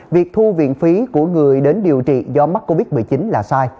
việc thu viện phí của người đến điều trị do mắc covid một mươi chín là sai